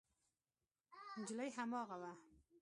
نجلۍ هماغه وه.